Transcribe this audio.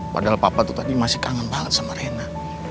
padahal papa tuh tadi masih kangen banget sama rena